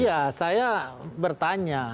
iya saya bertanya